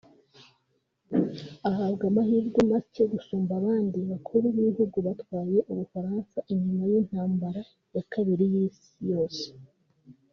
Ahabwa amahigwe make gusumba abandi bakuru b’ibihugu batwaye Ubufaransa inyuma y’intambara ya kabiri y’isi yose